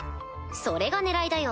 それが狙いだよ